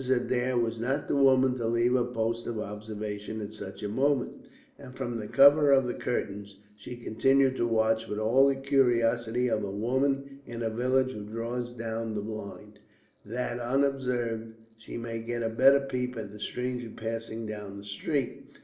Adair was not the woman to leave her post of observation at such a moment, and from the cover of the curtains she continued to watch with all the curiosity of a woman in a village who draws down the blind, that unobserved she may get a better peep at the stranger passing down the street.